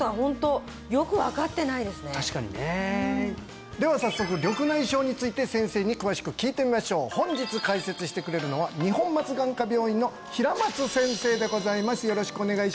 確かにねでは早速緑内障について先生に詳しく聞いてみましょう本日解説してくれるのは二本松眼科病院の平松先生でございます